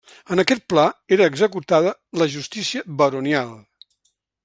En aquest pla era executada la justícia baronial.